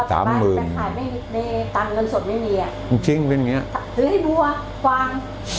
ตามเงินสดไม่มีซื้อให้บัวฟาง